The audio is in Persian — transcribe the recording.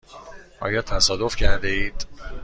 آیا تصادف کرده اید؟